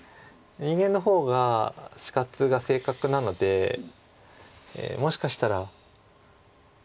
人間の方が死活が正確なのでもしかしたら。なんてことも。